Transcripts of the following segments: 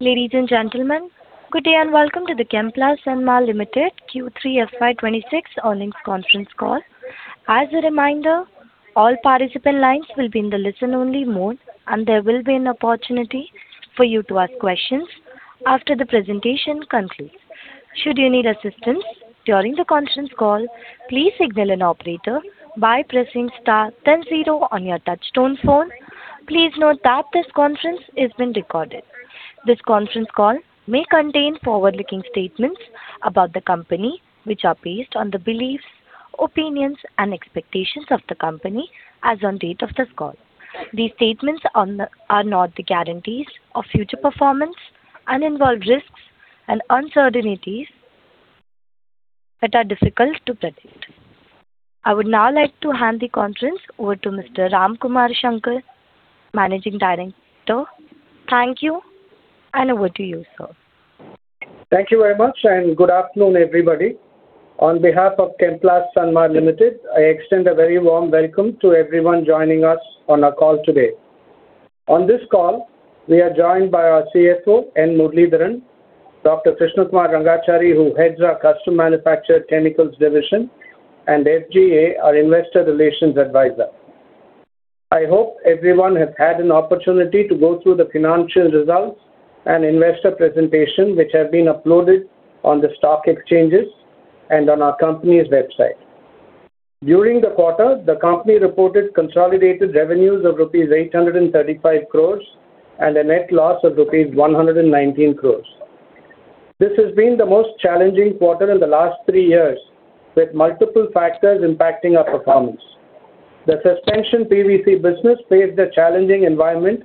Ladies and gentlemen, good day and welcome to the Chemplast Sanmar Limited Q3 FY26 Earnings Conference Call. As a reminder, all participant lines will be in the listen-only mode, and there will be an opportunity for you to ask questions after the presentation concludes. Should you need assistance during the conference call, please signal an operator by pressing star then zero on your touch-tone phone. Please note that this conference has been recorded. This conference call may contain forward-looking statements about the company, which are based on the beliefs, opinions, and expectations of the company as on the date of this call. These statements are not the guarantees of future performance and involve risks and uncertainties that are difficult to predict. I would now like to hand the conference over to Mr. Ramkumar Shankar, Managing Director. Thank you, and over to you, sir. Thank you very much, and good afternoon, everybody. On behalf of Chemplast Sanmar Limited, I extend a very warm welcome to everyone joining us on our call today. On this call, we are joined by our CFO, N. Muralidharan, Dr. Krishna Kumar Rangachari, who heads our Custom Manufactured Chemicals Division, and SGA, our Investor Relations Advisor. I hope everyone has had an opportunity to go through the financial results and investor presentations, which have been uploaded on the stock exchanges and on our company's website. During the quarter, the company reported consolidated revenues of rupees 835 crores and a net loss of rupees 119 crores. This has been the most challenging quarter in the last three years, with multiple factors impacting our performance. The Suspension PVC business faced a challenging environment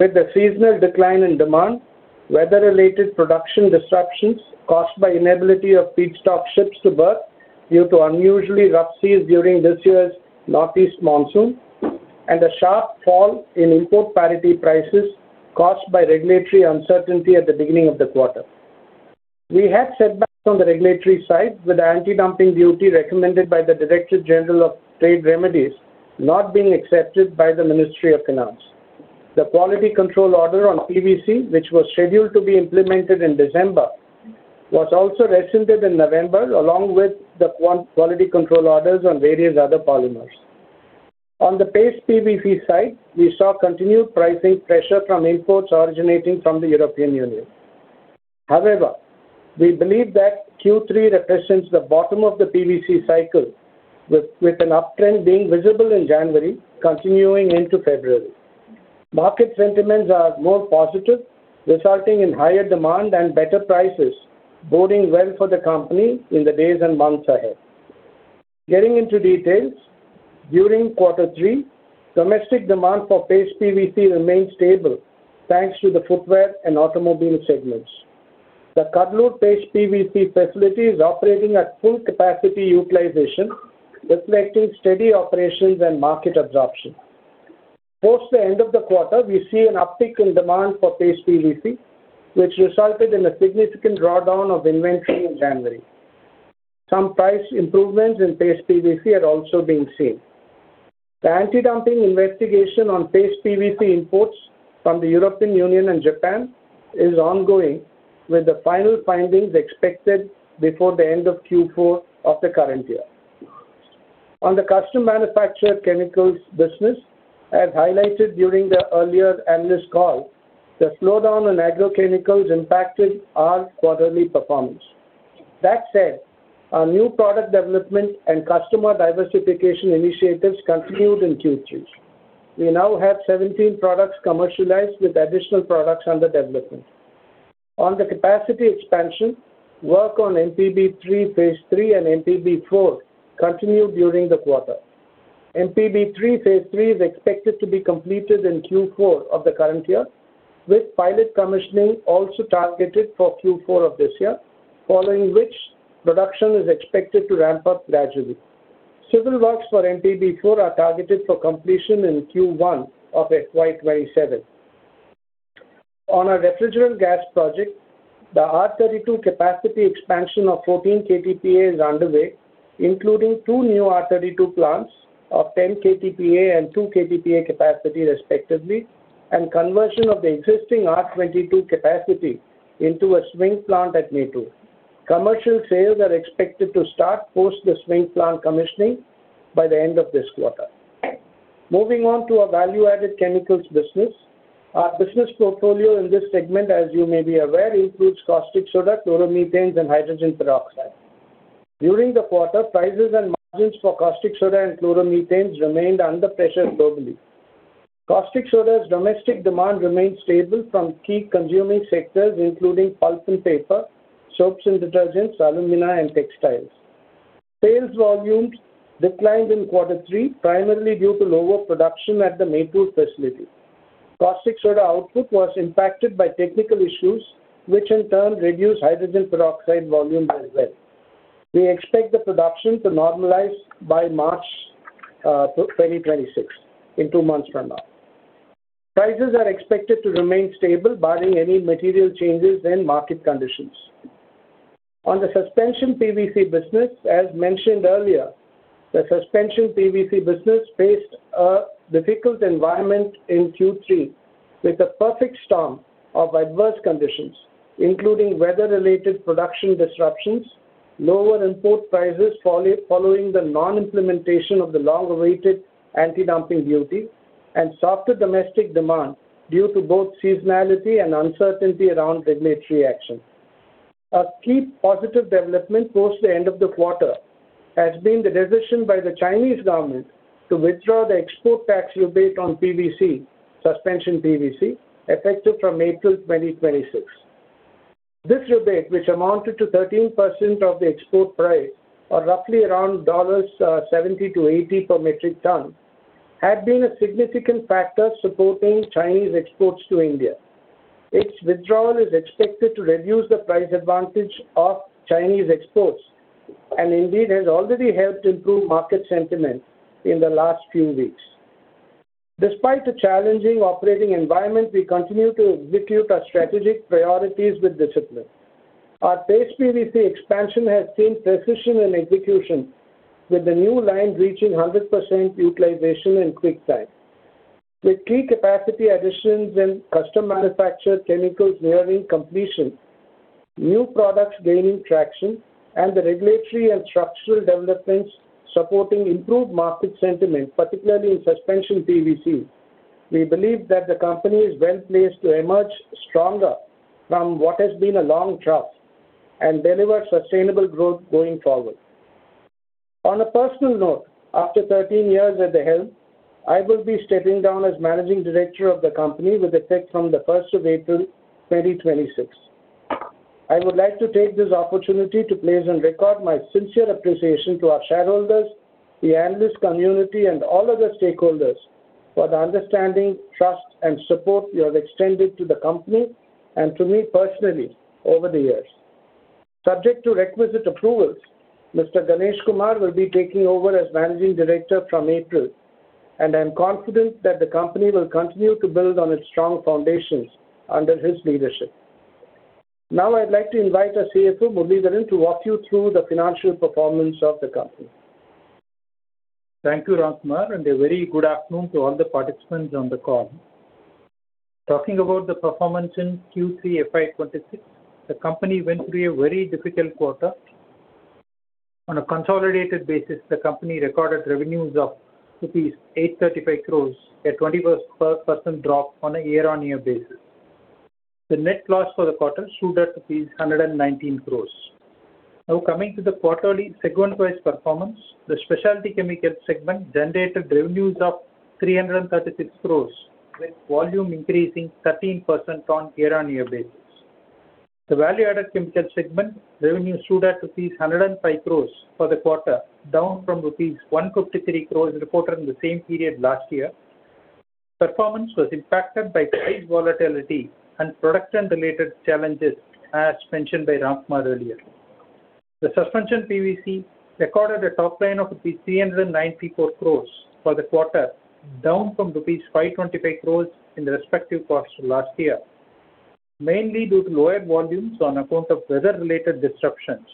with the seasonal decline in demand, weather-related production disruptions caused by the inability of feedstock ships to berth due to unusually rough seas during this year's northeast monsoon, and a sharp fall in import parity prices caused by regulatory uncertainty at the beginning of the quarter. We had setbacks on the regulatory side, with the anti-dumping duty recommended by the Director General of Trade Remedies not being accepted by the Ministry of Finance. The Quality Control Order on PVC, which was scheduled to be implemented in December, was also rescinded in November, along with the Quality Control Orders on various other polymers. On the Paste PVC side, we saw continued pricing pressure from imports originating from the European Union. However, we believe that Q3 represents the bottom of the PVC cycle, with an uptrend being visible in January continuing into February. Market sentiments are more positive, resulting in higher demand and better prices, boding well for the company in the days and months ahead. Getting into details, during quarter three, domestic demand for Paste PVC remained stable thanks to the footwear and automobile segments. The Cuddalore Paste PVC facility is operating at full capacity utilization, reflecting steady operations and market absorption. Post the end of the quarter, we see an uptick in demand for Paste PVC, which resulted in a significant drawdown of inventory in January. Some price improvements in Paste PVC are also being seen. The anti-dumping investigation on Paste PVC imports from the European Union and Japan is ongoing, with the final findings expected before the end of Q4 of the current year. On the Custom Manufactured Chemicals business, as highlighted during the earlier analyst call, the slowdown in agrochemicals impacted our quarterly performance. That said, our new product development and customer diversification initiatives continued in Q3. We now have 17 products commercialized with additional products under development. On the capacity expansion, work on MPB-3 Phase 3 and MPB-4 continued during the quarter. MPB-3 Phase 3 is expected to be completed in Q4 of the current year, with pilot commissioning also targeted for Q4 of this year, following which production is expected to ramp up gradually. Civil works for MPB-4 are targeted for completion in Q1 of FY27. On our refrigerant gas project, the R32 capacity expansion of 14 KTPA is underway, including two new R32 plants of 10 KTPA and 2 KTPA capacity, respectively, and conversion of the existing R22 capacity into a swing plant at Mettur. Commercial sales are expected to start post the swing plant commissioning by the end of this quarter. Moving on to our value-added chemicals business, our business portfolio in this segment, as you may be aware, includes caustic soda, chloromethanes, and hydrogen peroxide. During the quarter, prices and margins for caustic soda and chloromethanes remained under pressure globally. Caustic soda's domestic demand remained stable from key consuming sectors, including pulp and paper, soaps and detergents, alumina, and textiles. Sales volumes declined in quarter three, primarily due to lower production at the Mettur facility. Caustic soda output was impacted by technical issues, which in turn reduced hydrogen peroxide volumes as well. We expect the production to normalize by March 2026, in two months from now. Prices are expected to remain stable, barring any material changes in market conditions. On the Suspension PVC business, as mentioned earlier, the Suspension PVC business faced a difficult environment in Q3 with a perfect storm of adverse conditions, including weather-related production disruptions, lower import prices following the non-implementation of the long-awaited anti-dumping duty, and softer domestic demand due to both seasonality and uncertainty around regulatory action. A key positive development post the end of the quarter has been the decision by the Chinese government to withdraw the export tax rebate on Suspension PVC, effective from April 2026. This rebate, which amounted to 13% of the export price, or roughly around $70-$80 per metric ton, had been a significant factor supporting Chinese exports to India. Its withdrawal is expected to reduce the price advantage of Chinese exports and indeed has already helped improve market sentiment in the last few weeks. Despite the challenging operating environment, we continue to execute our strategic priorities with discipline. Our Paste PVC expansion has seen precision in execution, with the new line reaching 100% utilization in quick time. With key capacity additions and Custom Manufactured Chemicals nearing completion, new products gaining traction, and the regulatory and structural developments supporting improved market sentiment, particularly in Suspension PVC, we believe that the company is well placed to emerge stronger from what has been a long trough and deliver sustainable growth going forward. On a personal note, after 13 years at the helm, I will be stepping down as Managing Director of the company with effect from the 1st of April 2026. I would like to take this opportunity to place on record my sincere appreciation to our shareholders, the analyst community, and all other stakeholders for the understanding, trust, and support you have extended to the company and to me personally over the years. Subject to requisite approvals, Mr. Ganesh Kumar will be taking over as Managing Director from April, and I'm confident that the company will continue to build on its strong foundations under his leadership. Now, I'd like to invite our CFO, N. Muralidharan, to walk you through the financial performance of the company. Thank you, Ramkumar, and a very good afternoon to all the participants on the call. Talking about the performance in Q3 FY26, the company went through a very difficult quarter. On a consolidated basis, the company recorded revenues of rupees 835 crores, a 21% drop on a year-on-year basis. The net loss for the quarter stood at rupees 119 crores. Now, coming to the quarterly segment-wise performance, the specialty chemical segment generated revenues of 336 crores, with volume increasing 13% on a year-on-year basis. The value-added chemical segment revenue stood at rupees 105 crores for the quarter, down from rupees 153 crores reported in the same period last year. Performance was impacted by price volatility and production-related challenges, as mentioned by Ramkumar earlier. The Suspension PVC recorded a top line of rupees 394 crores for the quarter, down from rupees 525 crores in the respective quarters of last year, mainly due to lower volumes on account of weather-related disruptions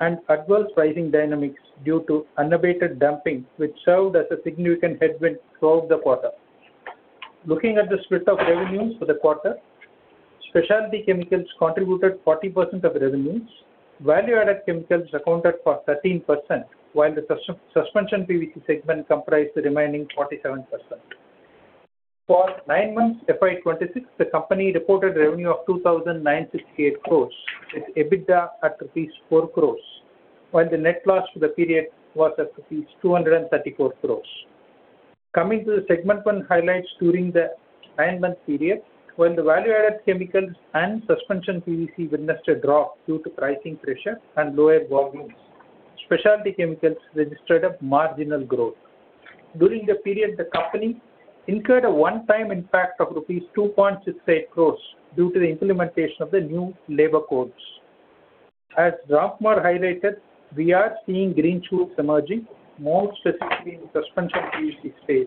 and adverse pricing dynamics due to unabated dumping, which served as a significant headwind throughout the quarter. Looking at the split of revenues for the quarter, specialty chemicals contributed 40% of revenues. Value-added chemicals accounted for 13%, while the Suspension PVC segment comprised the remaining 47%. For nine months FY26, the company reported revenue of 2,968 crores, with EBITDA at rupees 4 crores, while the net loss for the period was at rupees 234 crores. Coming to the segment-wise highlights during the nine-month period, while the value-added chemicals and Suspension PVC witnessed a drop due to pricing pressure and lower volumes, specialty chemicals registered a marginal growth. During the period, the company incurred a one-time impact of rupees 2.68 crores due to the implementation of the new labor codes. As Ramkumar highlighted, we are seeing green shoots emerging, more specifically in the Suspension PVC space.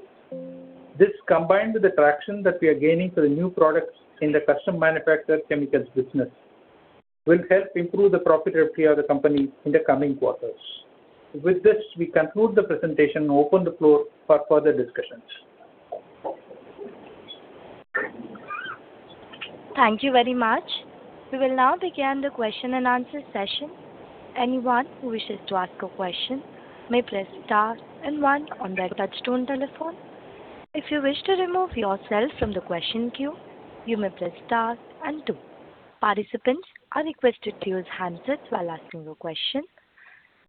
This, combined with the traction that we are gaining for the new products in the custom manufactured chemicals business, will help improve the profitability of the company in the coming quarters. With this, we conclude the presentation and open the floor for further discussions. Thank you very much. We will now begin the question-and-answer session. Anyone who wishes to ask a question may press star and one on their touch-tone telephone. If you wish to remove yourself from the question queue, you may press star and two. Participants are requested to use handsets while asking your question.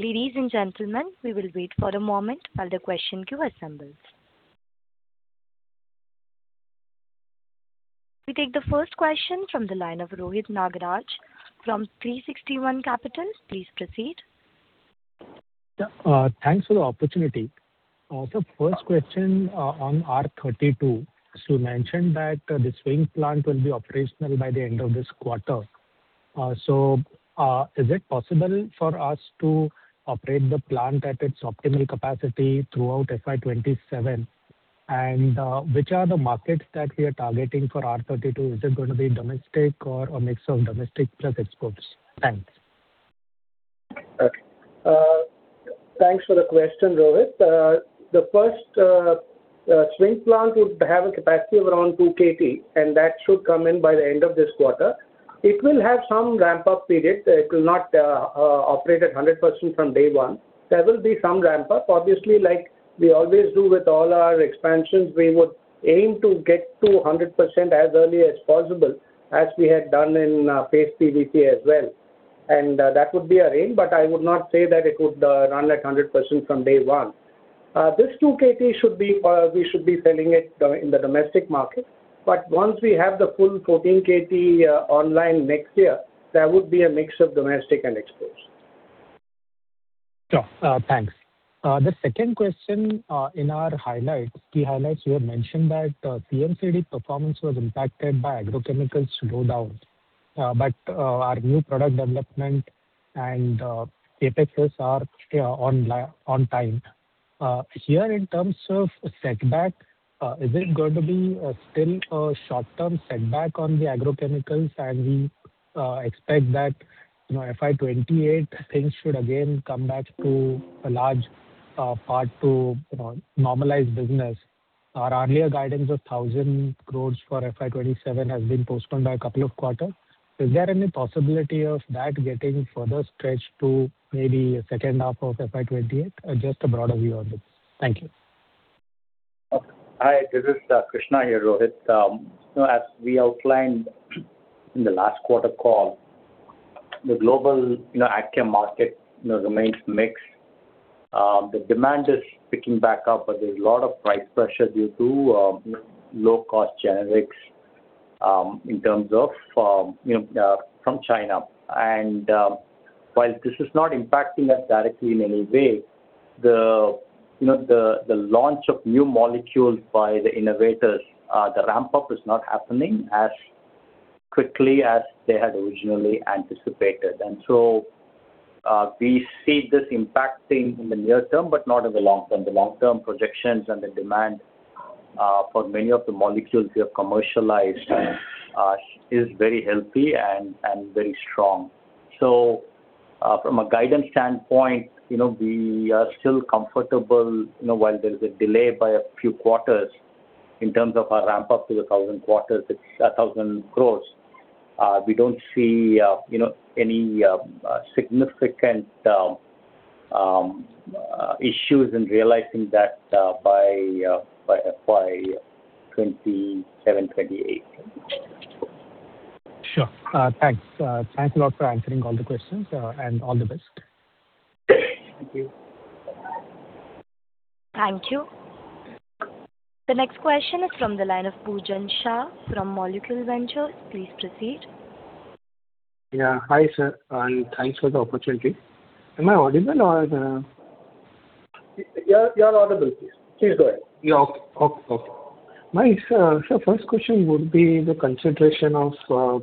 Ladies and gentlemen, we will wait for a moment while the question queue assembles. We take the first question from the line of Rohit Nagaraj from 360 ONE Capital. Please proceed. Thanks for the opportunity. For the first question on R32, you mentioned that the swing plant will be operational by the end of this quarter. So is it possible for us to operate the plant at its optimal capacity throughout FY27? And which are the markets that we are targeting for R32? Is it going to be domestic or a mix of domestic plus exports? Thanks. Thanks for the question, Rohit. The first swing plant would have a capacity of around 2 KT, and that should come in by the end of this quarter. It will have some ramp-up period. It will not operate at 100% from day one. There will be some ramp-up. Obviously, like we always do with all our expansions, we would aim to get to 100% as early as possible, as we had done in Paste PVC as well. And that would be our aim, but I would not say that it would run at 100% from day one. This 2 KT should be we should be selling it in the domestic market. But once we have the full 14 KT online next year, there would be a mix of domestic and exports. Thanks. The second question in our highlights, key highlights, you had mentioned that CMCD performance was impacted by agrochemicals slowdown. But our new product development and CapEx are on time. Here, in terms of setback, is it going to be still a short-term setback on the agrochemicals, and we expect that FY28, things should again come back to a large part to normalize business? Our earlier guidance of 1,000 crores for FY27 has been postponed by a couple of quarters. Is there any possibility of that getting further stretched to maybe a second half of FY28? Just a broader view on this. Thank you. Hi. This is Krishna here, Rohit. As we outlined in the last quarter call, the global ag chem market remains mixed. The demand is picking back up, but there's a lot of price pressure due to low-cost generics in terms of from China. And while this is not impacting us directly in any way, the launch of new molecules by the innovators, the ramp-up is not happening as quickly as they had originally anticipated. And so we see this impacting in the near term, but not in the long term. The long-term projections and the demand for many of the molecules we have commercialized is very healthy and very strong. So from a guidance standpoint, we are still comfortable while there is a delay by a few quarters in terms of our ramp-up to 1,000 crore. We don't see any significant issues in realizing that by FY 2027, 2028. Sure. Thanks. Thanks a lot for answering all the questions, and all the best. Thank you. Thank you. The next question is from the line of Pujan Shah from Molecule Ventures. Please proceed. Yeah. Hi, sir. Thanks for the opportunity. Am I audible or the? You're audible, please. Please go ahead. My first question would be the consideration of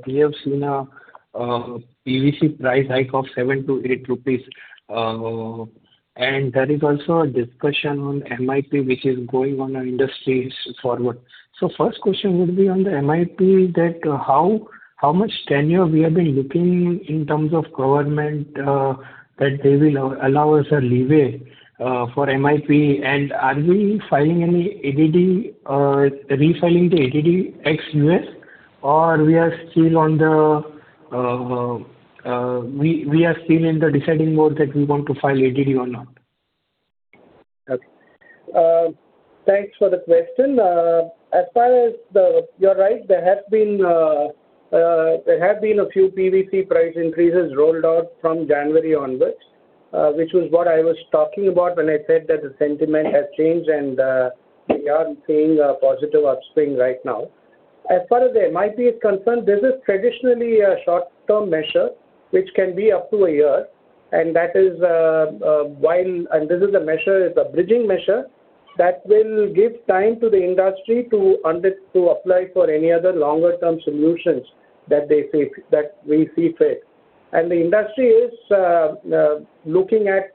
we have seen a PVC price hike of 7-8 rupees. And there is also a discussion on MIP, which is going on our industry forward. So first question would be on the MIP that how much tenure we have been looking in terms of government that they will allow us a leeway for MIP. And are we filing any ADD, refiling the ADD ex U.S., or we are still in the deciding mode that we want to file ADD or not? Okay. Thanks for the question. As far as that, you're right. There have been a few PVC price increases rolled out from January onwards, which was what I was talking about when I said that the sentiment has changed, and we are seeing a positive upswing right now. As far as the MIP is concerned, this is traditionally a short-term measure, which can be up to a year. And that is while this is a measure. It's a bridging measure that will give time to the industry to apply for any other longer-term solutions that we see fit. And the industry is looking at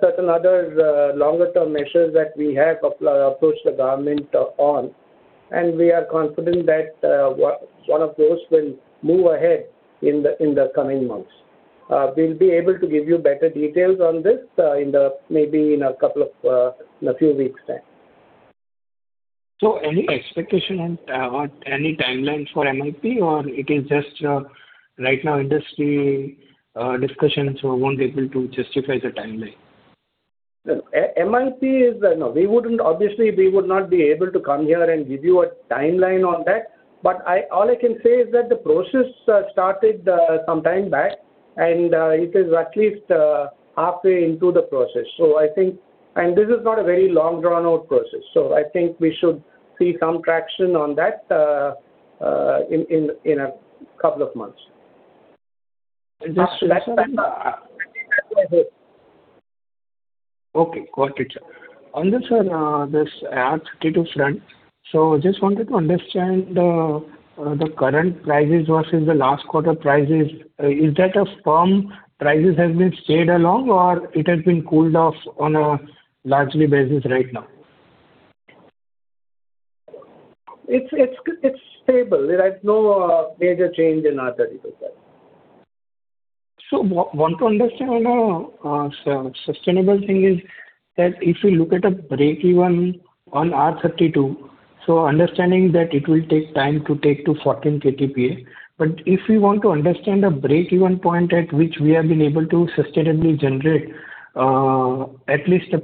certain other longer-term measures that we have approached the government on. And we are confident that one of those will move ahead in the coming months. We'll be able to give you better details on this maybe in a few weeks' time. Any expectation on any timeline for MIP, or it is just right now industry discussions won't be able to justify the timeline? MIP is no. We wouldn't obviously, we would not be able to come here and give you a timeline on that. But all I can say is that the process started some time back, and it is at least halfway into the process. So I think and this is not a very long drawn-out process. So I think we should see some traction on that in a couple of months. Okay. Got it, sir. Then, sir, this R32 front. I just wanted to understand the current prices versus the last quarter prices. Is that a firm prices have been stayed along, or it has been cooled off on a large basis right now? It's stable. There is no major change in R32. So what I want to understand, the sustainable thing is that if you look at a break-even on R32, so understanding that it will take time to take to 14 KTPA. But if we want to understand a break-even point at which we have been able to sustainably generate at least a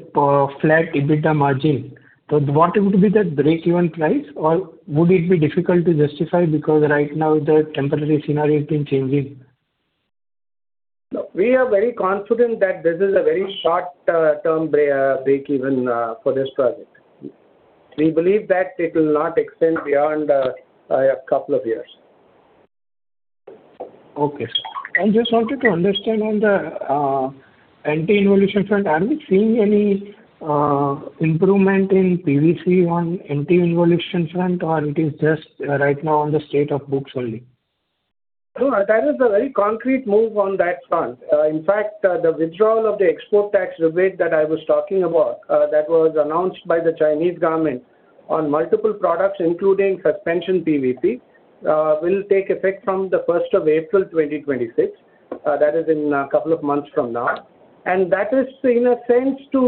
flat EBITDA margin, then what would be that break-even price, or would it be difficult to justify because right now the temporary scenario has been changing? We are very confident that this is a very short-term break-even for this project. We believe that it will not extend beyond a couple of years. Okay. Just wanted to understand on the anti-dumping front, are we seeing any improvement in PVC on the anti-dumping front, or is it just right now on the statute books only? No, there is a very concrete move on that front. In fact, the withdrawal of the Export Tax Rebate that I was talking about that was announced by the Chinese government on multiple products, including Suspension PVC, will take effect from the 1st of April, 2026. That is in a couple of months from now. And that is, in a sense, to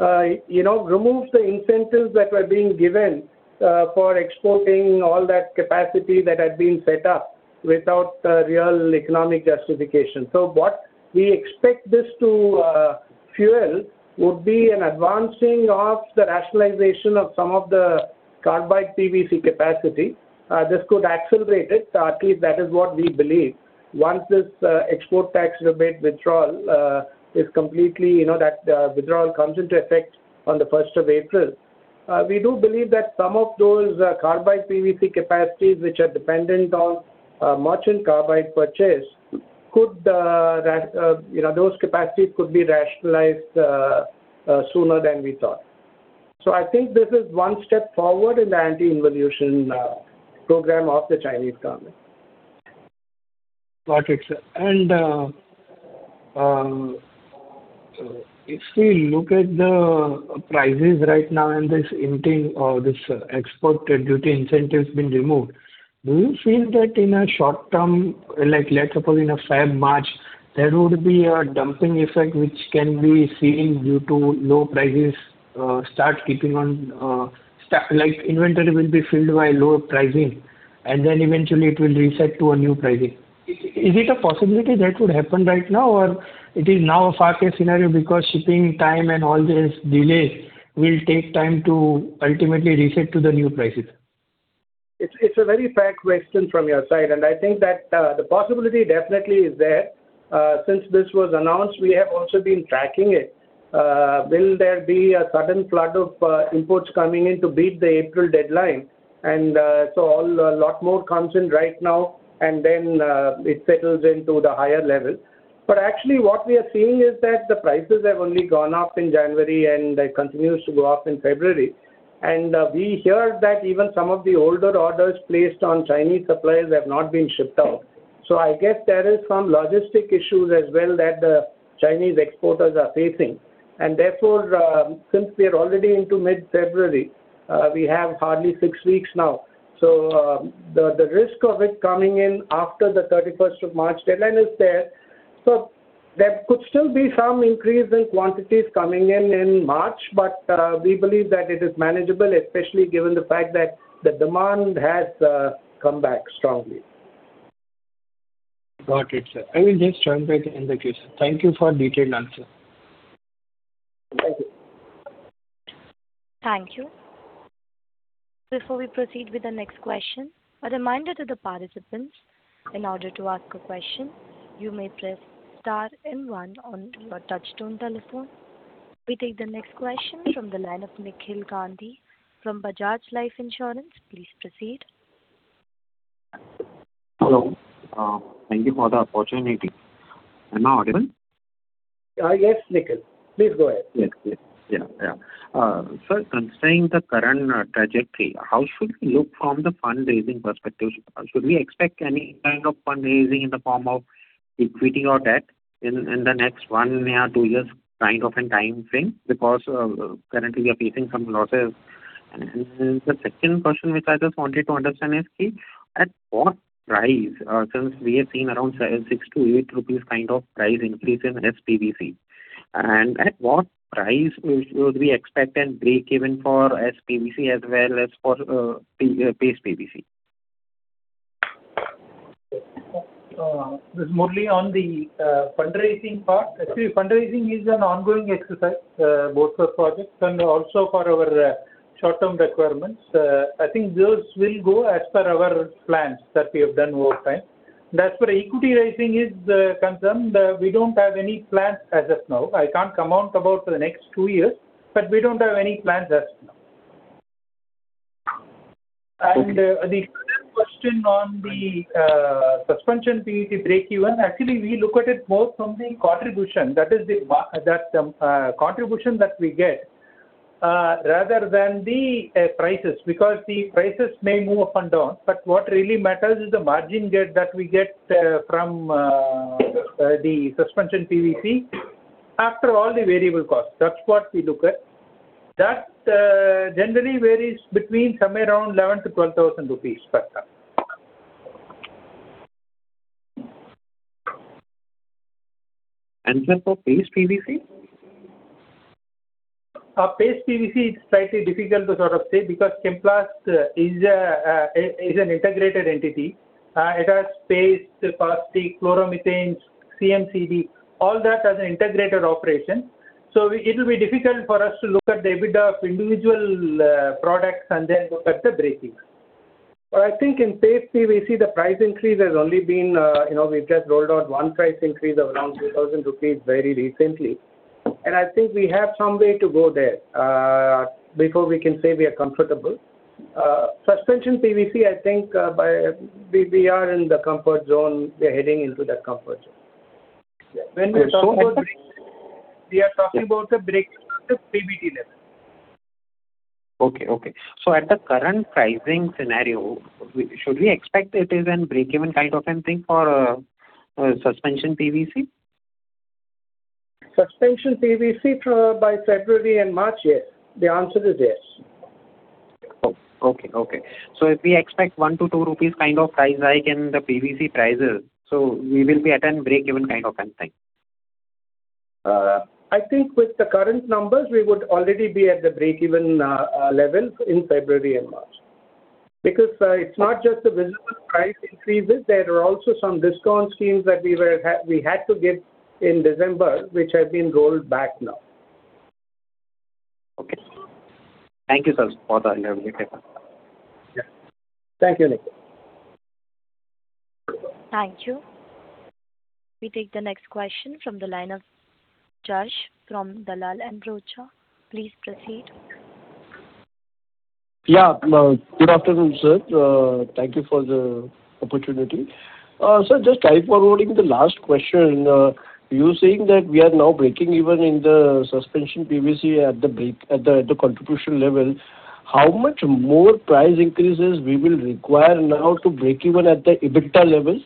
remove the incentives that were being given for exporting all that capacity that had been set up without real economic justification. So what we expect this to fuel would be an advancing of the rationalization of some of the carbide PVC capacity. This could accelerate it. At least that is what we believe. Once this export tax rebate withdrawal is complete, that withdrawal comes into effect on the 1st of April, we do believe that some of those carbide PVC capacities, which are dependent on merchant carbide purchase, could be rationalized sooner than we thought. So I think this is one step forward in the anti-involution program of the Chinese government. Got it, sir. And if we look at the prices right now and this intake or this export duty incentive has been removed, do you feel that in a short-term, let's suppose in a February/March, there would be a dumping effect, which can be seen due to low prices start keeping on inventory will be filled by low pricing, and then eventually, it will reset to a new pricing? Is it a possibility that would happen right now, or it is now a far-case scenario because shipping time and all these delays will take time to ultimately reset to the new prices? It's a very fair question from your side. I think that the possibility definitely is there. Since this was announced, we have also been tracking it. Will there be a sudden flood of imports coming in to beat the April deadline? So a lot more comes in right now, and then it settles into the higher level. But actually, what we are seeing is that the prices have only gone up in January, and they continued to go up in February. And we heard that even some of the older orders placed on Chinese supplies have not been shipped out. So I guess there is some logistical issues as well that the Chinese exporters are facing. And therefore, since we are already into mid-February, we have hardly 6 weeks now. So the risk of it coming in after the 31st of March deadline is there. There could still be some increase in quantities coming in in March, but we believe that it is manageable, especially given the fact that the demand has come back strongly. Got it, sir. I will just take the next cue. Thank you for the detailed answer. Thank you. Thank you. Before we proceed with the next question, a reminder to the participants, in order to ask a question, you may press star and one on your touch-tone telephone. We take the next question from the line of Nikhil Gandhi from Bajaj Life Insurance. Please proceed. Hello. Thank you for the opportunity. Am I audible? Yes, Nikhil. Please go ahead. Yes. Yes. Yeah. Yeah. Sir, considering the current trajectory, how should we look from the fundraising perspective? Should we expect any kind of fundraising in the form of equity or debt in the next one year, two years, kind of a time frame because currently, we are facing some losses? And the second question, which I just wanted to understand, is key. At what price, since we have seen around 6-8 rupees kind of price increase in S-PVC, and at what price would we expect a break-even for S-PVC as well as for Paste PVC? This is more on the fundraising part. Actually, fundraising is an ongoing exercise both for projects and also for our short-term requirements. I think those will go as per our plans that we have done over time. As for equity raising is concerned, we don't have any plans as of now. I can't amount about the next two years, but we don't have any plans as of now. The question on the Suspension PVC break-even, actually, we look at it more from the contribution. That is, the contribution that we get rather than the prices because the prices may move up and down. But what really matters is the margin gain that we get from the Suspension PVC after all the variable costs. That's what we look at. That generally varies between somewhere around 11,000-12,000 rupees per tonne. Sir, for Paste PVC? Paste PVC, it's slightly difficult to sort of say because Chemplast is an integrated entity. It has Paste, Paste, chloromethanes, CMCD. All that has an integrated operation. So it will be difficult for us to look at the EBITDA of individual products and then look at the break-even. But I think in Paste PVC, the price increase has only been, we've just rolled out one price increase of around 2,000 rupees very recently. And I think we have some way to go there before we can say we are comfortable. Suspension PVC, I think we are in the comfort zone. We are heading into that comfort zone. When we talk about break-even, we are talking about the break-even of the PVC level. Okay. Okay. So at the current pricing scenario, should we expect it is a break-even kind of a thing for Suspension PVC? Suspension PVC by February and March, yes. The answer is yes. So if we expect 1-2 rupees kind of price hike in the PVC prices, so we will be at a break-even kind of a thing? I think with the current numbers, we would already be at the break-even level in February and March because it's not just the visible price increases. There are also some discount schemes that we had to give in December, which have been rolled back now. Okay. Thank you, sir, for the interview. Thank you, Nikhil. Thank you. We take the next question from the line of Jash from Dalal & Broacha. Please proceed. Yeah. Good afternoon, sir. Thank you for the opportunity. Sir, just time forwarding the last question. You're saying that we are now breaking even in the Suspension PVC at the contribution level. How much more price increases will we require now to break-even at the EBITDA level?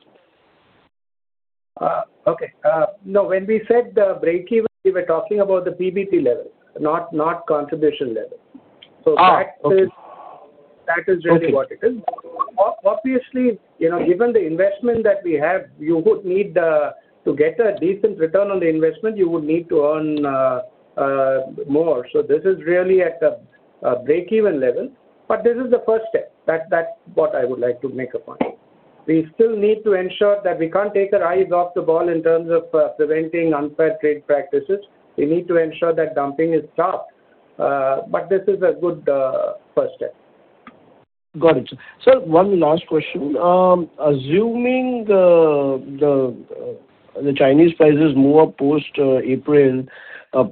Okay. No, when we said break-even, we were talking about the PVC level, not contribution level. So that is really what it is. Obviously, given the investment that we have, you would need to get a decent return on the investment. You would need to earn more. So this is really at a break-even level. But this is the first step. That's what I would like to make a point. We still need to ensure that we can't take our eyes off the ball in terms of preventing unfair trade practices. We need to ensure that dumping is stopped. But this is a good first step. Got it, sir. Sir, one last question. Assuming the Chinese prices move up post-April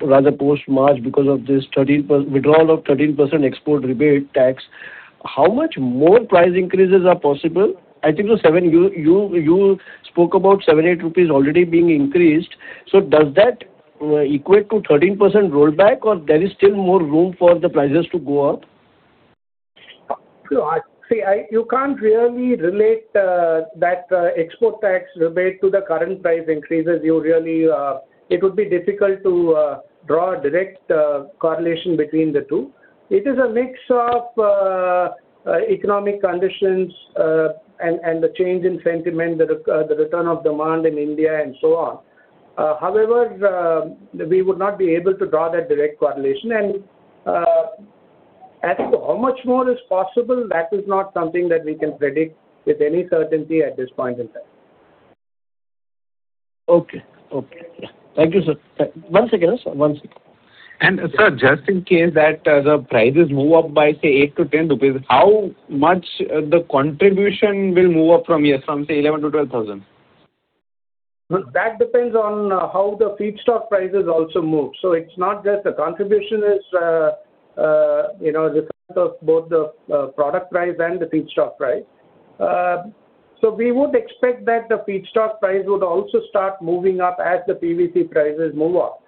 rather post-March because of this withdrawal of 13% export rebate tax, how much more price increases are possible? I think you spoke about 7, 8 rupees already being increased. So does that equate to 13% rollback, or there is still more room for the prices to go up? See, you can't really relate that Export Tax Rebate to the current price increases. It would be difficult to draw a direct correlation between the two. It is a mix of economic conditions and the change in sentiment, the return of demand in India, and so on. However, we would not be able to draw that direct correlation. As to how much more is possible, that is not something that we can predict with any certainty at this point in time. Okay. Okay. Yeah. Thank you, sir. Once again, sir. Once again. Sir, just in case that the prices move up by, say, 8-10 rupees, how much the contribution will move up from here? From, say, 11 thousand-12 thousand? That depends on how the feedstock prices also move. So it's not just the contribution is a result of both the product price and the feedstock price. So we would expect that the feedstock price would also start moving up as the PVC prices move up.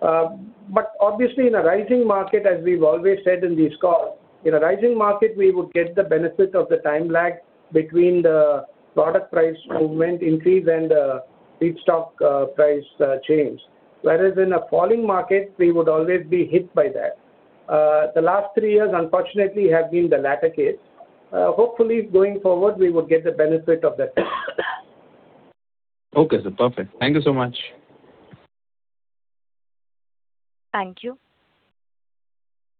But obviously, in a rising market, as we've always said in these calls, in a rising market, we would get the benefit of the time lag between the product price movement increase and the feedstock price change. Whereas in a falling market, we would always be hit by that. The last three years, unfortunately, have been the latter case. Hopefully, going forward, we would get the benefit of that. Okay. Sir, perfect. Thank you so much. Thank you.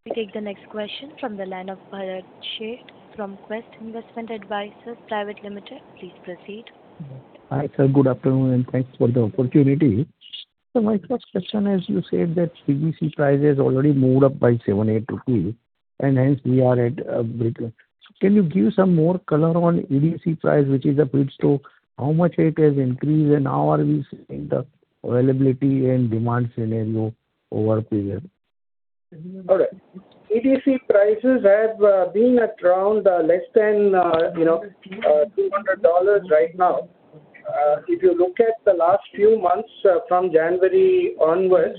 We take the next question from the line of Bharat Sheth from Quest Investment Advisors Private Limited. Please proceed. Hi, sir. Good afternoon, and thanks for the opportunity. Sir, my first question is, you said that PVC price has already moved up by 7-8 rupees, and hence, we are at a break-even. Can you give some more color on EDC price, which is a feedstock, how much it has increased, and how are we seeing the availability and demand scenario over a period? All right. EDC prices have been at around less than $200 right now. If you look at the last few months from January onwards,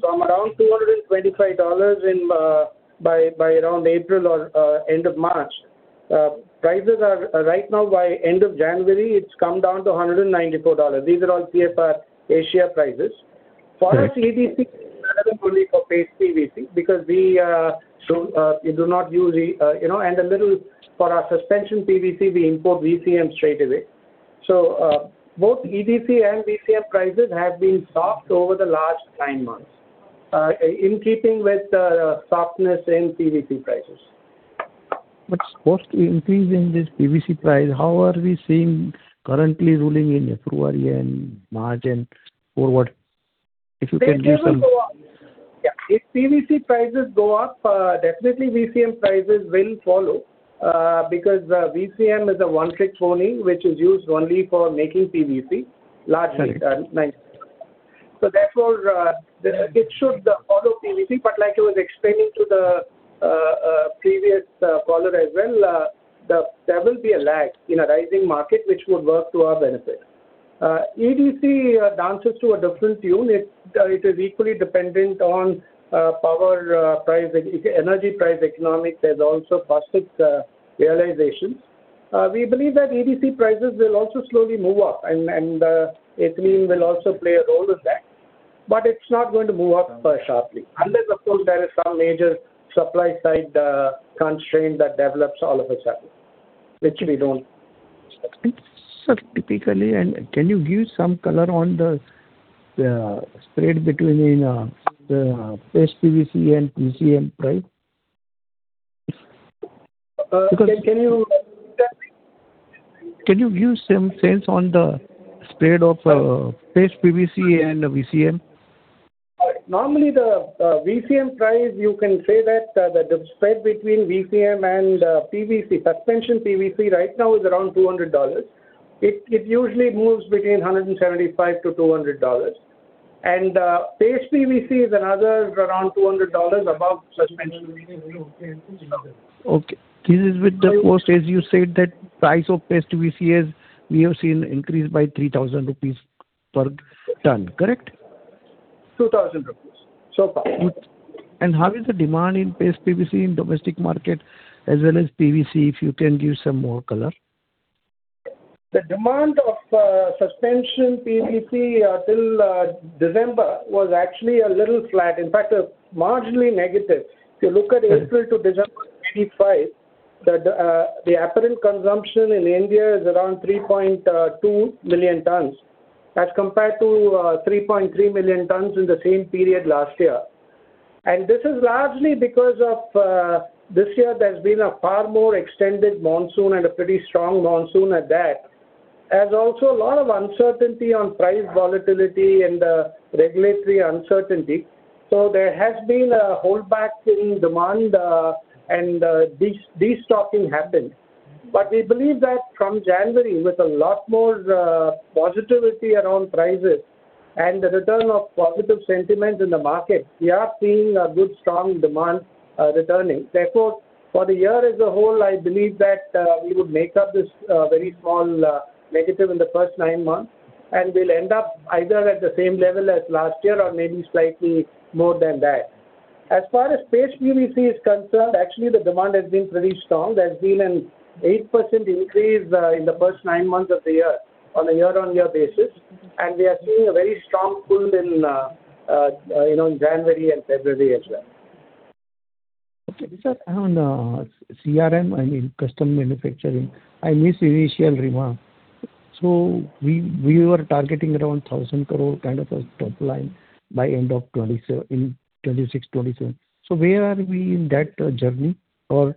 from around $225 by around April or end of March, prices are right now, by end of January, it's come down to $194. These are all CFR Asia prices. For us, EDC is relevant only for Paste PVC because we do not use and a little for our Suspension PVC, we import VCM straight away. So both EDC and VCM prices have been soft over the last nine months in keeping with the softness in PVC prices. But supposed to increase in this PVC price, how are we seeing currently ruling in February, and March, and forward? If you can give some. Yeah. If PVC prices go up, definitely, VCM prices will follow because VCM is a one-trick pony which is used only for making PVC largely. So therefore, it should follow PVC. But like I was explaining to the previous caller as well, there will be a lag in a rising market which would work to our benefit. EDC dances to a different tune. It is equally dependent on power price, energy price economics. There's also Paste PVC realizations. We believe that EDC prices will also slowly move up, and ethylene will also play a role in that. But it's not going to move up sharply unless, of course, there is some major supply-side constraint that develops all of a sudden, which we don't. Sir, typically, can you give some color on the spread between the Paste PVC and VCM price? Can you give some sense on the spread of Paste PVC and VCM? Normally, the VCM price, you can say that the spread between VCM and Suspension PVC right now is around $200. It usually moves between $175-$200. And Paste PVC is another around $200 above suspension. Okay. This is with the most, as you said, that price of Paste PVC is we have seen increase by 3,000 rupees per ton. Correct? 2,000 rupees so far. How is the demand in Paste PVC in the domestic market as well as PVC, if you can give some more color? The demand of Suspension PVC until December was actually a little flat. In fact, marginally negative. If you look at April to December 2025, the apparent consumption in India is around 3.2 million tons as compared to 3.3 million tons in the same period last year. This is largely because of this year, there's been a far more extended monsoon and a pretty strong monsoon at that, as also a lot of uncertainty on price volatility and regulatory uncertainty. There has been a holdback in demand, and destocking happened. We believe that from January, with a lot more positivity around prices and the return of positive sentiment in the market, we are seeing a good, strong demand returning. Therefore, for the year as a whole, I believe that we would make up this very small negative in the first nine months, and we'll end up either at the same level as last year or maybe slightly more than that. As far as Paste PVC is concerned, actually, the demand has been pretty strong. There's been an 8% increase in the first nine months of the year on a year-on-year basis. And we are seeing a very strong pull in January and February as well. Sir, on CRM, I mean, custom manufacturing, I missed the initial remark. So we were targeting around 1,000 crore kind of a top line by end of 2026, 2027. So where are we in that journey? Or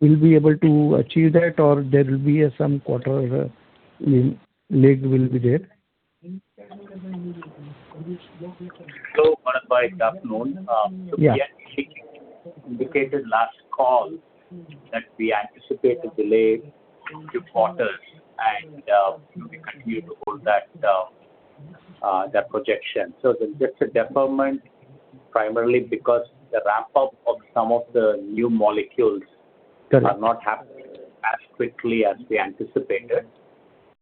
will we be able to achieve that, or there will be some quarter lag will be there? Hello, Bharatbhai. Good afternoon. So we indicated last call that we anticipate a delay to quarters, and we continue to hold that projection. So just a deferment primarily because the ramp-up of some of the new molecules are not happening as quickly as we anticipated.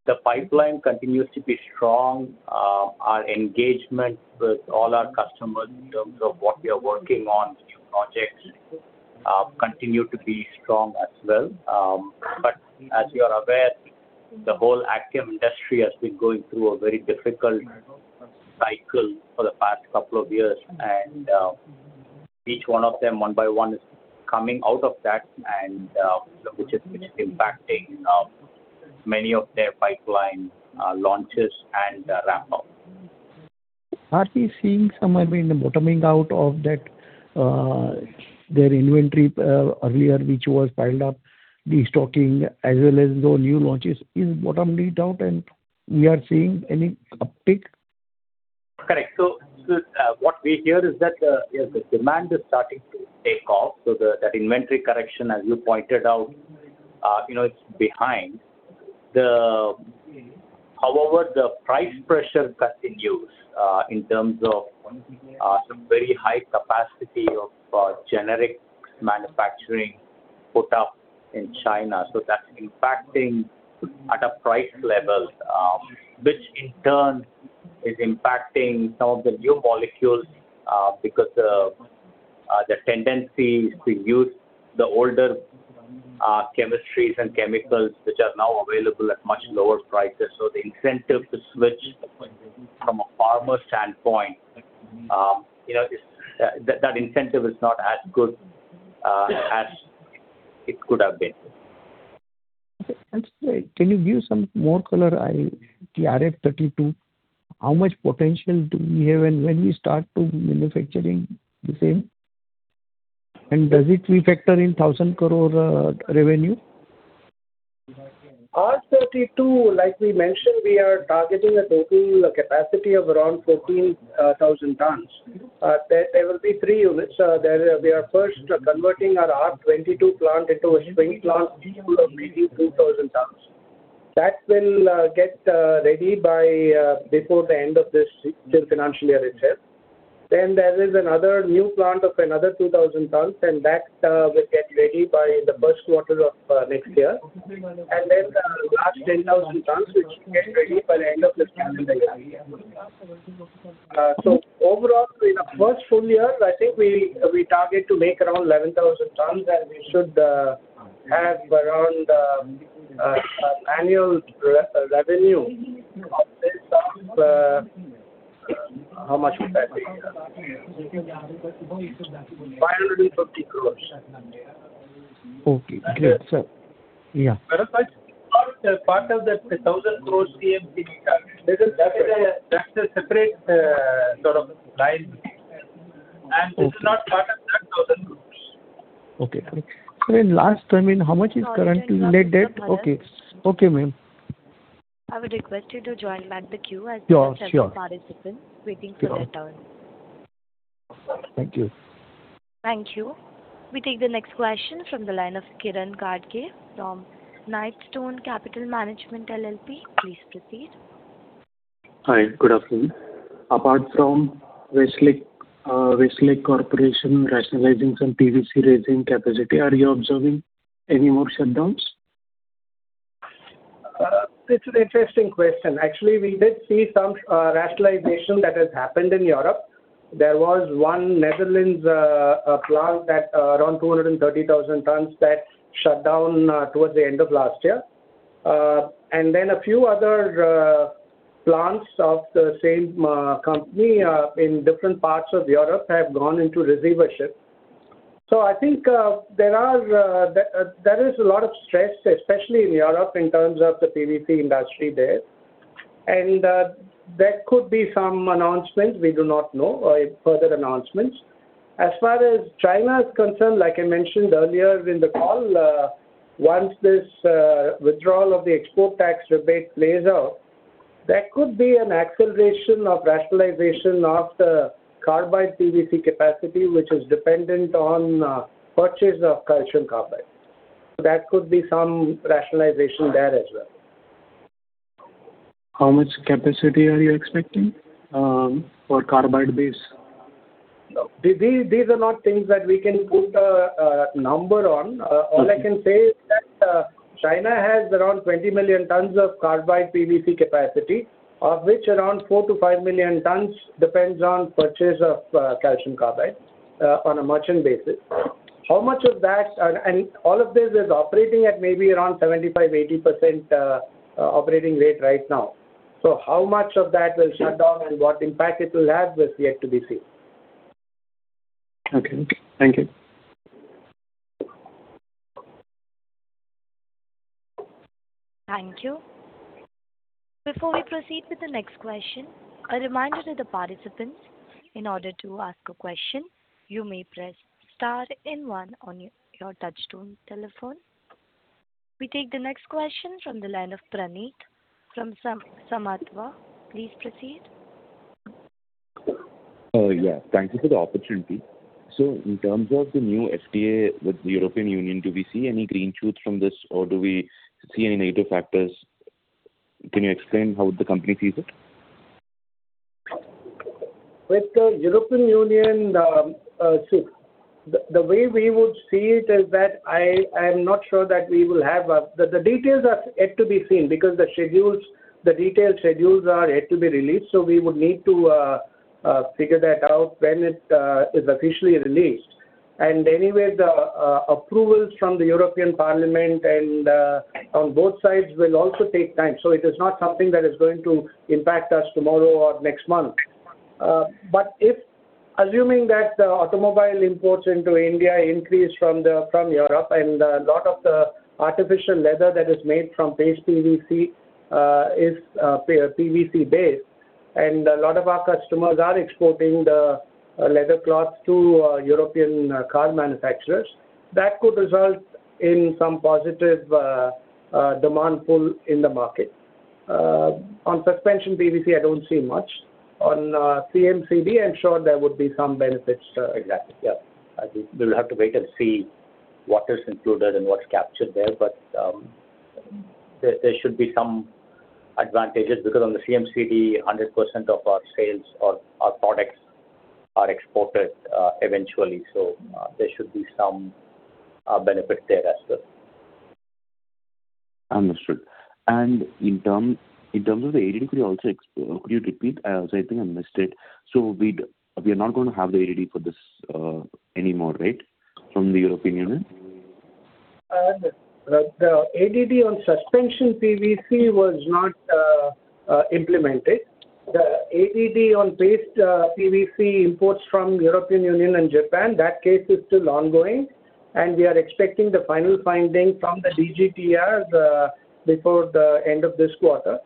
The pipeline continues to be strong. Our engagement with all our customers in terms of what we are working on, new projects, continue to be strong as well. But as you are aware, the whole agchem industry has been going through a very difficult cycle for the past couple of years. And each one of them, one by one, is coming out of that, which is impacting many of their pipeline launches and ramp-ups. Are we seeing somewhere in the bottoming out of their inventory earlier, which was piled up, destocking, as well as those new launches, is bottoming out, and we are seeing any uptick? Correct. So what we hear is that the demand is starting to take off. So that inventory correction, as you pointed out, it's behind. However, the price pressure continues in terms of some very high capacity of generic manufacturing put up in China. So that's impacting at a price level, which in turn is impacting some of the new molecules because the tendency is to use the older chemistries and chemicals which are now available at much lower prices. So the incentive to switch from a farmer standpoint, that incentive is not as good as it could have been. Can you give some more color? R32, how much potential do we have when we start to manufacture the same? And does it reflect in 1,000 crore revenue? R32, like we mentioned, we are targeting a total capacity of around 14,000 tons. There will be three units. We are first converting our R22 plant into a swing plant of maybe 2,000 tons. That will get ready before the end of this financial year itself. Then there is another new plant of another 2,000 tons, and that will get ready by the first quarter of next year. And then the last 10,000 tons, which will get ready by the end of this calendar year. So overall, in the first full year, I think we target to make around 11,000 tons, and we should have around annual revenue of this how much would that be? 550 crore. Okay. Great. Sir, yeah. Bharatbhai, part of the INR 1,000 crore CMC we target, that's a separate sort of line. This is not part of that INR 1,000 crores. Okay. Sir, in last I mean, how much is currently late debt? Okay. Okay, ma'am. I would request you to join back the queue as the second participant waiting for their turn. Thank you. Thank you. We take the next question from the line of Kiran Gadge from Knightstone Capital Management LLP. Please proceed. Hi. Good afternoon. Apart from Westlake Corporation rationalizing some PVC resin capacity, are you observing any more shutdowns? This is an interesting question. Actually, we did see some rationalization that has happened in Europe. There was one Netherlands plant around 230,000 tons that shut down towards the end of last year. Then a few other plants of the same company in different parts of Europe have gone into receivership. I think there is a lot of stress, especially in Europe in terms of the PVC industry there. There could be some announcements. We do not know further announcements. As far as China is concerned, like I mentioned earlier in the call, once this withdrawal of the export tax rebate plays out, there could be an acceleration of rationalization of the carbide PVC capacity, which is dependent on purchase of calcium carbide. That could be some rationalization there as well. How much capacity are you expecting for carbide base? These are not things that we can put a number on. All I can say is that China has around 20 million tons of carbide PVC capacity, of which around 4-5 million tons depends on purchase of calcium carbide on a merchant basis. How much of that and all of this is operating at maybe around 75%-80% operating rate right now. So how much of that will shut down and what impact it will have was yet to be seen. Okay. Thank you. Thank you. Before we proceed with the next question, a reminder to the participants, in order to ask a question, you may press star and one on your touchscreen telephone. We take the next question from the line of Praneeth from Samarthya. Please proceed. Yes. Thank you for the opportunity. In terms of the new FTA with the European Union, do we see any green shoots from this, or do we see any negative factors? Can you explain how the company sees it? With the European Union, the way we would see it is that I am not sure, the details are yet to be seen because the detailed schedules are yet to be released. So we would need to figure that out when it is officially released. And anyway, the approvals from the European Parliament and on both sides will also take time. So it is not something that is going to impact us tomorrow or next month. But assuming that the automobile imports into India increase from Europe, and a lot of the artificial leather that is made from Paste PVC is PVC-based, and a lot of our customers are exporting the leather cloths to European car manufacturers, that could result in some positive demand pull in the market. On Suspension PVC, I don't see much. On CMCD, I'm sure there would be some benefits. Exactly. Yeah. We will have to wait and see what is included and what's captured there. But there should be some advantages because on the CMCD, 100% of our sales or our products are exported eventually. So there should be some benefit there as well. Understood. In terms of the ADD, could you repeat? I think I missed it. So we are not going to have the ADD for this anymore, right, from the European Union? The ADD on Suspension PVC was not implemented. The ADD on Paste PVC imports from the European Union and Japan, that case is still ongoing. We are expecting the final finding from the DGTR before the end of this quarter.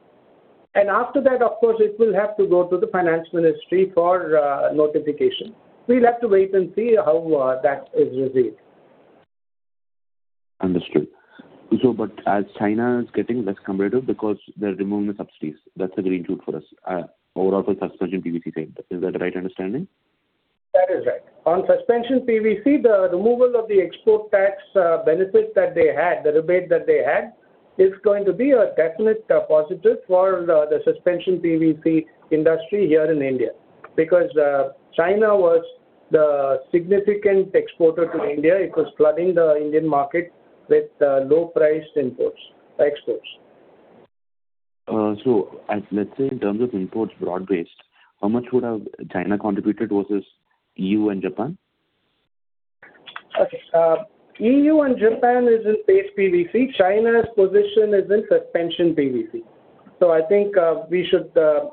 After that, of course, it will have to go to the Finance Ministry for notification. We'll have to wait and see how that is received. Understood. But as China is getting less competitive because they're removing the subsidies, that's a green shoot for us overall for Suspension PVC side. Is that the right understanding? That is right. On Suspension PVC, the removal of the export tax benefit that they had, the rebate that they had, is going to be a definite positive for the Suspension PVC industry here in India because China was the significant exporter to India. It was flooding the Indian market with low-priced exports. Let's say in terms of imports broad-based, how much would China contribute versus EU and Japan? Okay. EU and Japan is in Paste PVC. China's position is in Suspension PVC. So I think we should the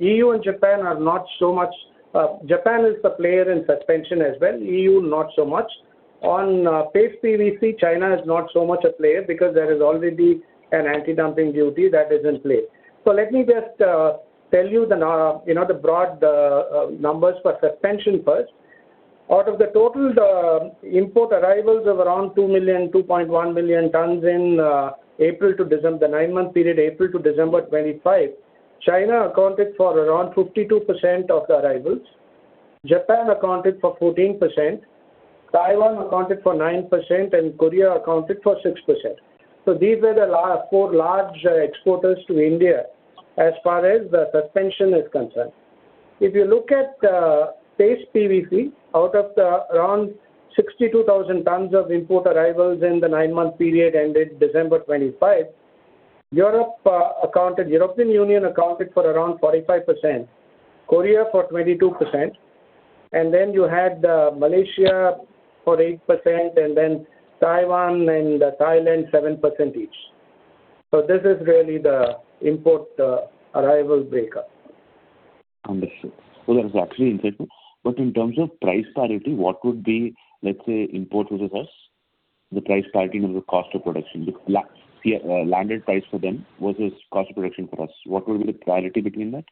EU and Japan are not so much. Japan is a player in suspension as well. EU, not so much. On Paste PVC, China is not so much a player because there is already an anti-dumping duty that is in place. So let me just tell you the broad numbers for suspension first. Out of the total import arrivals of around 2 million, 2.1 million tons in April to December, the nine-month period, April to December 2025, China accounted for around 52% of the arrivals. Japan accounted for 14%. Taiwan accounted for 9%. And Korea accounted for 6%. So these were the four large exporters to India as far as the suspension is concerned. If you look at Paste PVC, out of around 62,000 tons of import arrivals in the nine-month period ended December 2025, European Union accounted for around 45%, Korea for 22%. And then you had Malaysia for 8%, and then Taiwan and Thailand, 7% each. So this is really the import arrival breakup. Understood. So that is actually interesting. But in terms of price parity, what would be, let's say, import versus us, the price parity in terms of cost of production? Landed price for them versus cost of production for us. What would be the parity between that?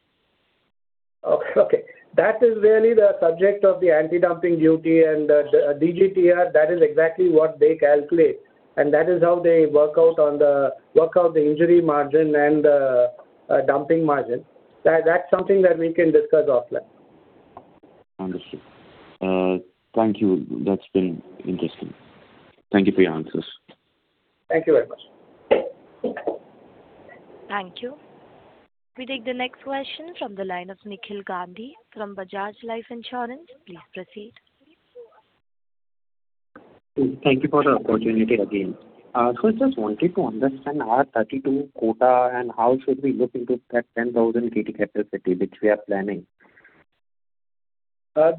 Okay. That is really the subject of the anti-dumping duty and the DGTR. That is exactly what they calculate. That is how they work out the injury margin and the dumping margin. That's something that we can discuss offline. Understood. Thank you. That's been interesting. Thank you for your answers. Thank you very much. Thank you. We take the next question from the line of Nikhil Gandhi from Bajaj Life Insurance. Please proceed. Thank you for the opportunity again. I just wanted to understand R32 quota and how should we look into that 10,000 MT capacity which we are planning?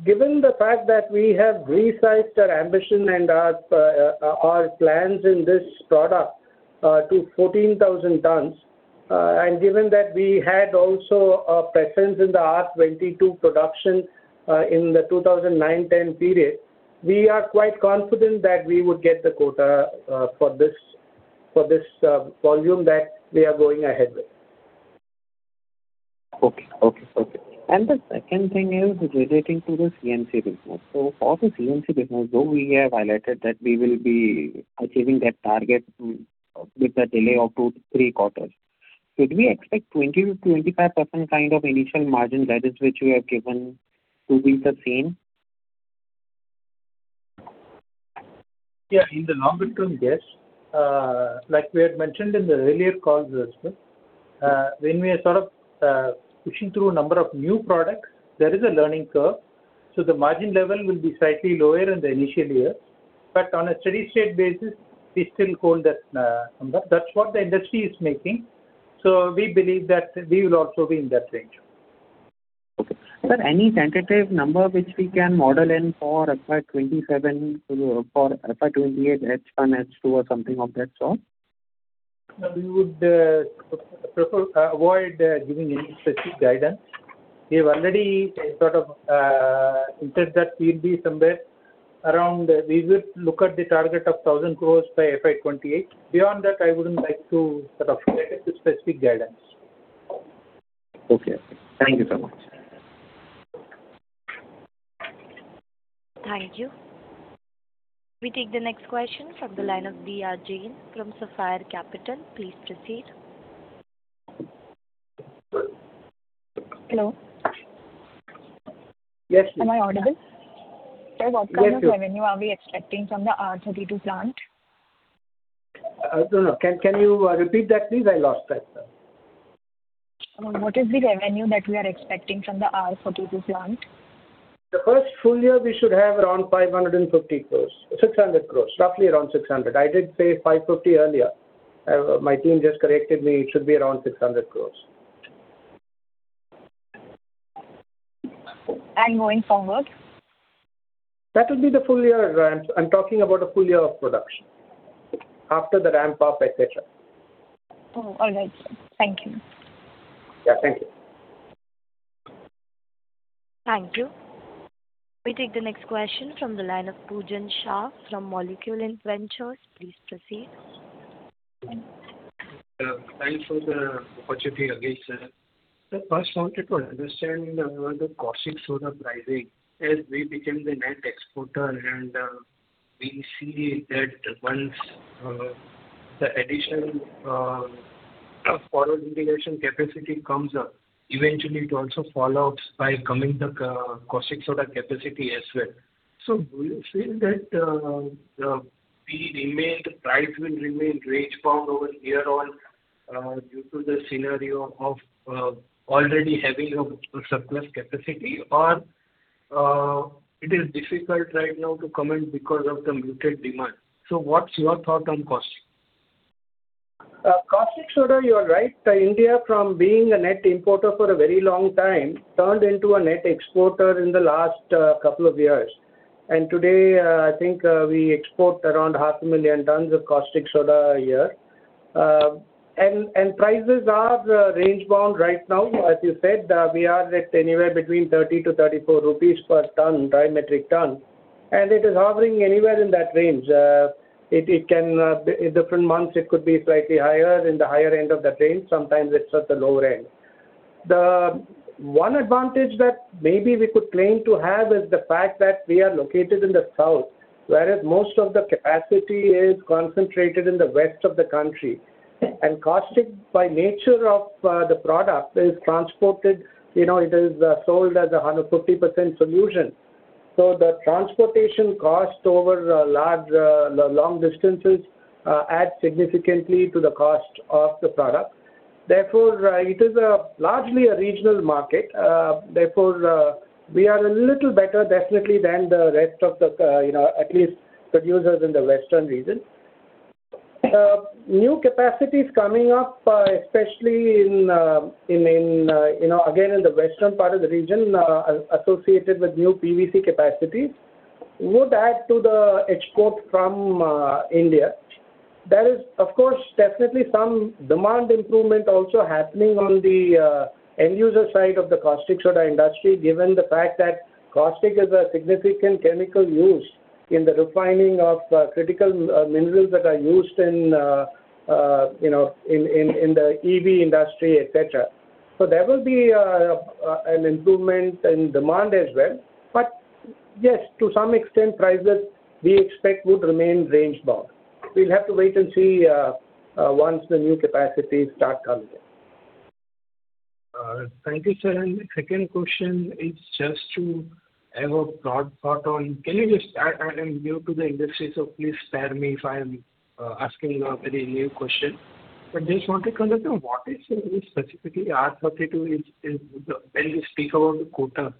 Given the fact that we have resized our ambition and our plans in this product to 14,000 tons, and given that we had also a presence in the R22 production in the 2009-2010 period, we are quite confident that we would get the quota for this volume that we are going ahead with. Okay. Okay. Okay. The second thing is relating to the CMC business. For the CMC business, though we have highlighted that we will be achieving that target with a delay of 2-3 quarters, should we expect 20%-25% kind of initial margin that is which you have given to be the same? Yeah. In the longer-term guess, like we had mentioned in the earlier calls as well, when we are sort of pushing through a number of new products, there is a learning curve. So the margin level will be slightly lower in the initial years. But on a steady-state basis, we still hold that number. That's what the industry is making. So we believe that we will also be in that range. Okay. Is there any tentative number which we can model in for FY27, for FY28, H1, H2, or something of that sort? We would prefer to avoid giving any specific guidance. We have already sort of said that we'll be somewhere around; we would look at the target of 1,000 crore by FY28. Beyond that, I wouldn't like to sort of get into specific guidance. Okay. Thank you so much. Thank you. We take the next question from the line of D.R. Jain from Sapphire Capital. Please proceed. Hello? Yes, please. Am I audible? What kind of revenue are we expecting from the R32 plant? No, no. Can you repeat that, please? I lost that. What is the revenue that we are expecting from the R32 plant? The first full year, we should have around 550 crores, 600 crores, roughly around 600. I did say 550 earlier. My team just corrected me. It should be around 600 crores. Going forward? That would be the full year. I'm talking about a full year of production after the ramp-up, etc. All right. Thank you. Yeah. Thank you. Thank you. We take the next question from the line of Pujan Shah from Molecule Ventures. Please proceed. Thanks for the opportunity again, sir. First, I wanted to understand the caustic soda pricing. As we became the net exporter, and we see that once the additional forward integration capacity comes up, eventually, it also falls out by coming the caustic soda capacity as well. So do you feel that the price will remain range-bound over here due to the scenario of already having a surplus capacity, or it is difficult right now to comment because of the muted demand? So what's your thought on Caustic? Caustic soda, you're right. India, from being a net importer for a very long time, turned into a net exporter in the last couple of years. Today, I think we export around 500,000 tons of caustic soda a year. Prices are range-bound right now. As you said, we are at anywhere between 30-34 rupees per metric ton. It is hovering anywhere in that range. In different months, it could be slightly higher in the higher end of that range. Sometimes, it's at the lower end. One advantage that maybe we could claim to have is the fact that we are located in the south, whereas most of the capacity is concentrated in the west of the country. Caustic soda, by nature of the product, is transported. It is sold as a 50% solution. So the transportation cost over long distances adds significantly to the cost of the product. Therefore, it is largely a regional market. Therefore, we are a little better, definitely, than the rest of the at least producers in the western region. New capacities coming up, especially again in the western part of the region associated with new PVC capacities, would add to the export from India. There is, of course, definitely some demand improvement also happening on the end-user side of the caustic soda industry given the fact that caustic soda is a significant chemical used in the refining of critical minerals that are used in the EV industry, etc. So there will be an improvement in demand as well. But yes, to some extent, prices, we expect, would remain range-bound. We'll have to wait and see once the new capacities start coming in. Thank you, sir. The second question is just to have a thought on can you just I am new to the industry, so please spare me if I am asking a very new question. I just want to clarify. What is specifically R32 when we speak about the quota?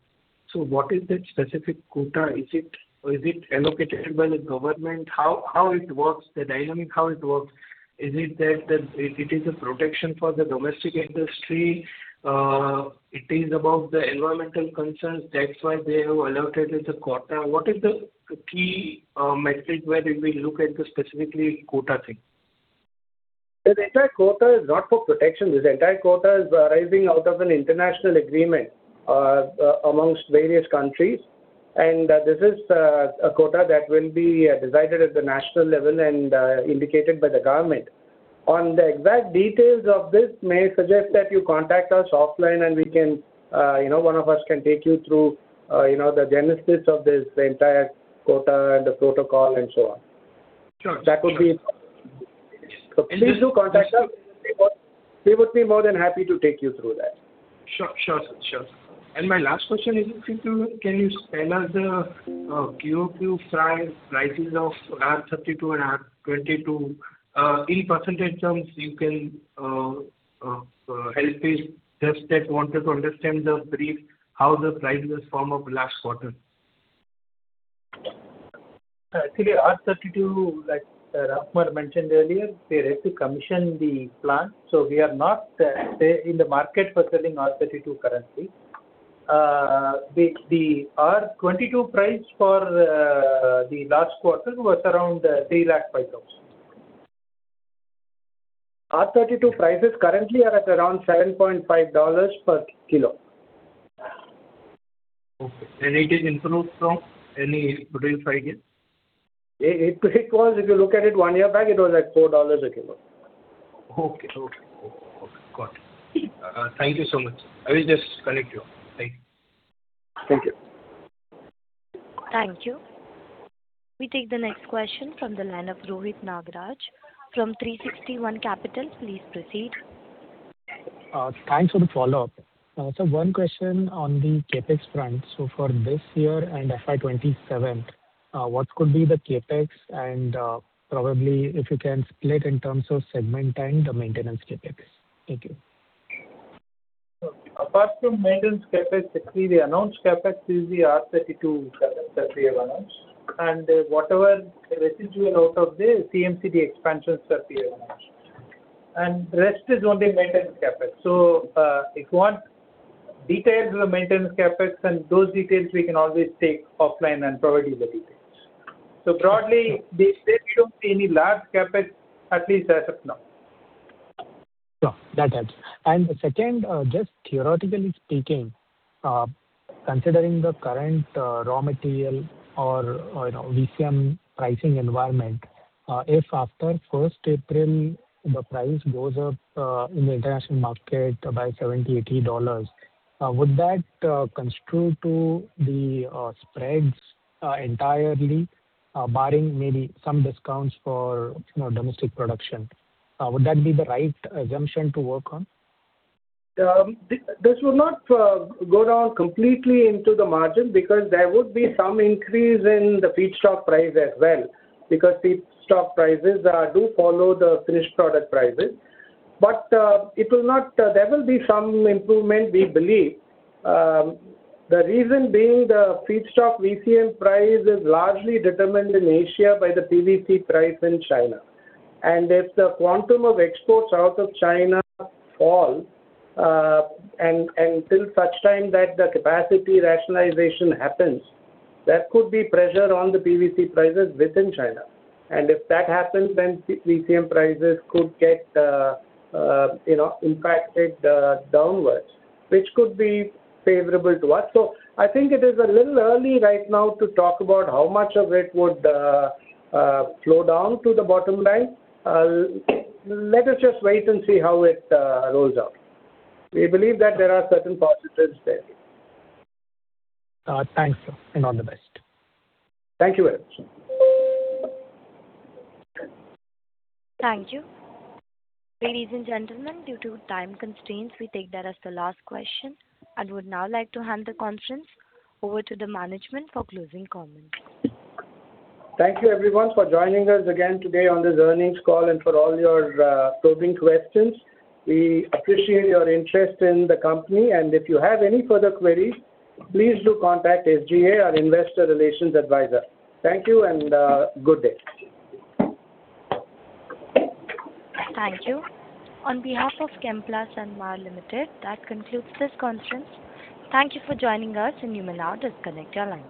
So what is that specific quota? Is it allocated by the government? How it works, the dynamic, how it works? Is it that it is a protection for the domestic industry? It is about the environmental concerns. That's why they have allotted it the quota. What is the key metric where we will look at the specific quota thing? The entire quota is not for protection. This entire quota is arising out of an international agreement among various countries. This is a quota that will be decided at the national level and indicated by the government. On the exact details of this, may suggest that you contact us offline, and one of us can take you through the genesis of this entire quota and the protocol and so on. That would be so. Please do contact us. We would be more than happy to take you through that. Sure. Sure. Sure. My last question is, if you can you spell out the QOQ prices of R32 and R22 in percentage terms? You can help us just that wanted to understand the brief how the prices form up last quarter. Actually, R32, like Raman mentioned earlier, they had to commission the plant. So we are not in the market for selling R32 currently. The R22 price for the last quarter was around 305,000. R32 prices currently are at around $7.5 per kg. Okay. And it is improved from any previous price? If you look at it one year back, it was at $4 a kg. Okay. Okay. Okay. Okay. Got it. Thank you so much. I will just connect you up. Thank you. Thank you. Thank you. We take the next question from the line of Rohit Nagaraj from 360 ONE Capital. Please proceed. Thanks for the follow-up. One question on the CapEx front. For this year and FY27, what could be the CapEx and probably if you can split in terms of segment and the maintenance CapEx? Thank you. Apart from maintenance CapEx, actually, the announced CapEx is the R32 share that we have announced. And whatever residual out of the CMCD expansions that we have announced. And the rest is only maintenance CapEx. So if you want details of the maintenance CapEx, and those details, we can always take offline and provide you the details. So broadly, we don't see any large CapEx, at least as of now. Sure. That helps. Second, just theoretically speaking, considering the current raw material or VCM pricing environment, if after 1st April, the price goes up in the international market by $70-$80, would that contribute to the spreads entirely barring maybe some discounts for domestic production? Would that be the right assumption to work on? This will not go down completely into the margin because there would be some increase in the feedstock price as well because feedstock prices do follow the finished product prices. There will be some improvement, we believe. The reason being the feedstock VCM price is largely determined in Asia by the PVC price in China. If the quantum of exports out of China falls until such time that the capacity rationalization happens, that could be pressure on the PVC prices within China. If that happens, then VCM prices could get impacted downwards, which could be favorable to us. I think it is a little early right now to talk about how much of it would flow down to the bottom line. Let us just wait and see how it rolls out. We believe that there are certain positives there. Thanks, sir. And all the best. Thank you very much. Thank you. Ladies and gentlemen, due to time constraints, we take that as the last question and would now like to hand the conference over to the management for closing comments. Thank you, everyone, for joining us again today on this earnings call and for all your probing questions. We appreciate your interest in the company. If you have any further queries, please do contact SGA, our investor relations advisor. Thank you and good day. Thank you. On behalf of Chemplast Sanmar Limited, that concludes this conference. Thank you for joining us, and you may now disconnect your line.